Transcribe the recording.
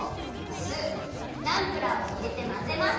酢ナンプラーをいれてまぜます。